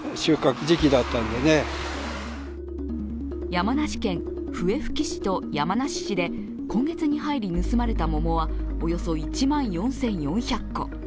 山梨県笛吹市と山梨市で今月に入り盗まれた桃はおよそ１万４４００個。